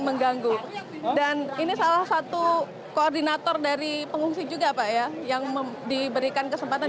mengganggu dan ini salah satu koordinator dari pengungsi juga pak ya yang diberikan kesempatan